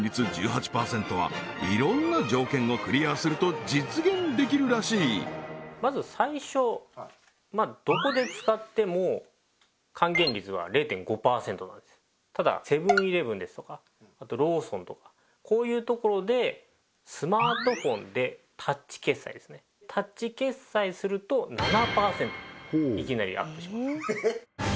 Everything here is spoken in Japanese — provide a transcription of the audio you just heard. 菊地さんによるとこのまず最初どこで使っても還元率は０．５％なんですただセブン−イレブンですとかローソンとかこういうところでスマートフォンでタッチ決済ですねタッチ決済すると７％いきなりアップしますえっ？